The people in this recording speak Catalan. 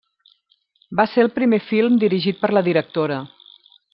Va ser el primer film dirigit per la directora.